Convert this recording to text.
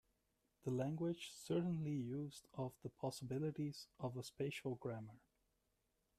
The language certainly used of the possibilities of a spatial grammar.